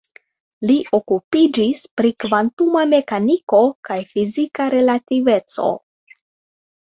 Li okupiĝis pri kvantuma mekaniko kaj fizika relativeco.